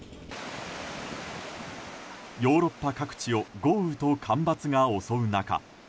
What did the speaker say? ヨーロッパ各地を豪雨と干ばつが襲う中